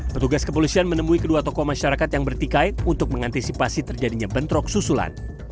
petugas kepolisian menemui kedua tokoh masyarakat yang bertikai untuk mengantisipasi terjadinya bentrok susulan